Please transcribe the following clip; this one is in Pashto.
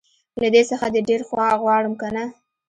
له دې څخه دي ډير غواړم که نه